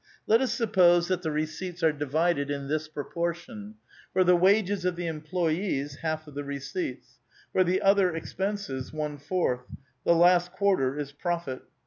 Let us suppose that the receipts are divided in this proportion : for the wages of the em Eigbt cents. A VITAL QUESTION. 395 ployees, half of the receipts ; for the other expenses, one fourth ; the last quarter is profit.